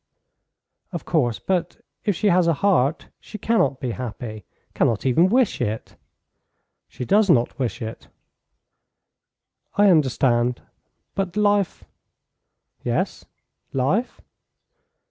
"Of course, but if she has a heart she cannot be happy cannot even wish it." "She does not wish it." "I understand; but life " "Yes life?"